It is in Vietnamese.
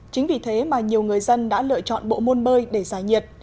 chính vì thế mà nhiều người dân đã lựa chọn bộ môn bơi để giải nhiệt